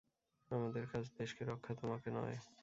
আমাদের কাজ দেশকে রক্ষা, তোমাকে নয়।